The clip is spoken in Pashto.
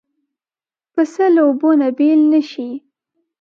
پسه له اوبو نه بېل نه شي.